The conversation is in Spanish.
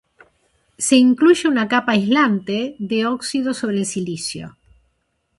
Se incluye una capa aislante de óxido sobre el silicio.